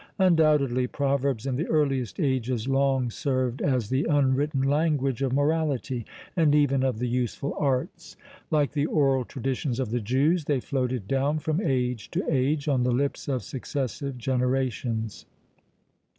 Undoubtedly proverbs in the earliest ages long served as the unwritten language of morality, and even of the useful arts; like the oral traditions of the Jews, they floated down from age to age on the lips of successive generations.